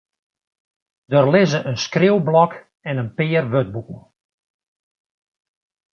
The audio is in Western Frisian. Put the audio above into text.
Der lizze in skriuwblok en in pear wurdboeken.